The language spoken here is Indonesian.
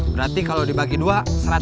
berarti kalo dibagi dua seratus seratus